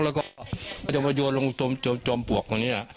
แล้วก็จะมาโยนลงจอมปวกตรงนี้น่ะ